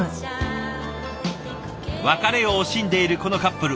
別れを惜しんでいるこのカップル。